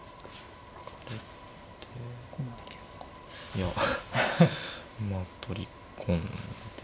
いやまあ取り込んで。